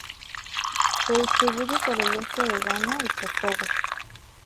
Se distribuye por el este de Ghana y por Togo.